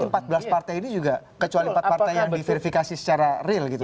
jadi sebelas partai ini juga kecuali empat partai yang diverifikasi secara real gitu